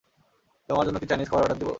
তোমার জন্য কি চাইনিজ খাবার অর্ডার দিব?